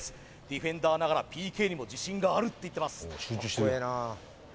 ディフェンダーながらＰＫにも自信があるって言ってます